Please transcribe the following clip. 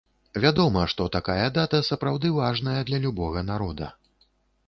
Вядома, што такая дата сапраўды важная для любога народа.